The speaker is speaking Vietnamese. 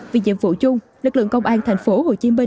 vì nhiệm vụ chung lực lượng công an tp hcm